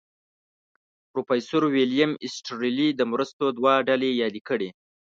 پروفیسر ویلیم ایسټرلي د مرستو دوه ډلې یادې کړې.